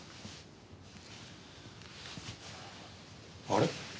あれ？